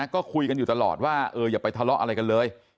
ก็คุยกันอยู่ตลอดว่าอย่าไปทะเลาะอะไรกันเลย